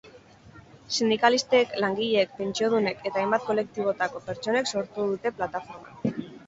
Sindikalistek, langileek, pentsiodunek eta hainbat kolektibotako pertsonek sortu dute plataforma.